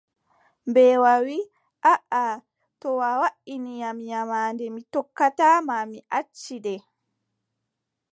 Mbeewa wii: aaʼa to a waʼini am, nyamaande mi tokkata ma, mi acci nde.